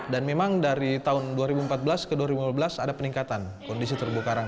dan memang dari tahun dua ribu empat belas ke dua ribu empat belas ada peningkatan kondisi terumbu karang